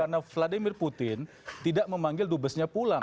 karena vladimir putin tidak memanggil dubesnya pulang